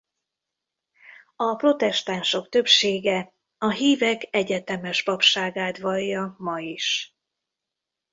A protestánsok többsége a hívek egyetemes papságát vallja ma is.